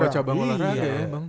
semua cabang olahraga ya bang